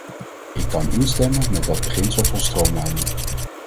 Ik kan instemmen met dat beginsel van stroomlijning.